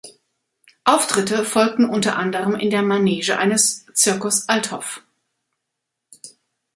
Auftritte folgten unter anderem in der Manege eines Circus Althoff.